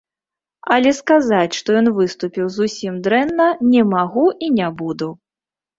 Але сказаць, што ён выступіў зусім дрэнна, не магу і не буду.